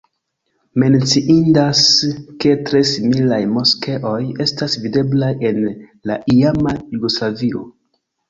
Menciindas, ke tre similaj moskeoj estas videblaj en la iama Jugoslavio.